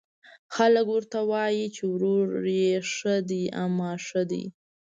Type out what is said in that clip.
خلک ورته وايي، چې وروري ښه ده، امان ښه دی